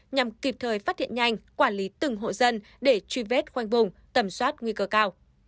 nhằm kịp thời phát hiện nhanh quản lý từng hộ dân để truy vết khoanh vùng tầm soát nguy cơ cao